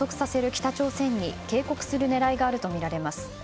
北朝鮮に警告する狙いがあるとみられます。